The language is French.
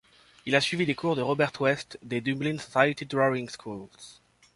Il a suivi les cours de Robert West des Dublin Society Drawing Schools.